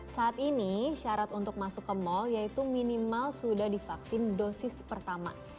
saat ini syarat untuk masuk ke mal yaitu minimal sudah divaksin dosis pertama